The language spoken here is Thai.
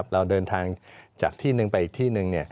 เราเดินทางจากที่หนึ่งไปอีกที่หนึ่ง